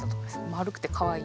丸くてかわいい。